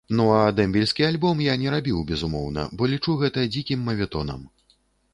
Ну, а дэмбельскі альбом я не рабіў безумоўна, бо лічу гэта дзікім маветонам.